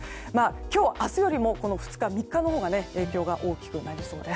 今日明日より２日、３日のほうが影響が大きくなりそうです。